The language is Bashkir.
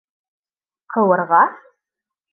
Ҡыуырға?